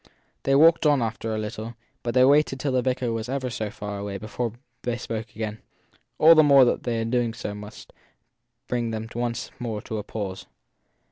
They walked on after a little, but they waited till the vicar was ever so far away before they spoke again; all the more that their doing so must bring them once more to a pause.